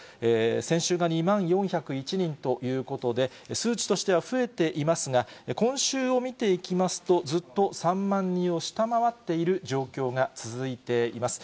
先週が２万４０１人ということで、数値としては増えていますが、今週を見ていきますと、ずっと３万人を下回っている状況が続いています。